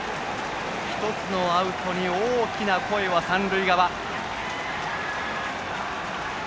１つのアウトに大きな声は三塁側。